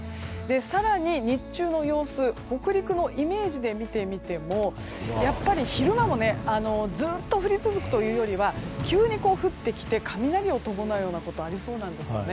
更に日中の様子北陸のイメージで見てみてもやっぱり昼間もずっと降り続くというよりは急に降ってきて雷を伴うようなことがありそうなんですよね。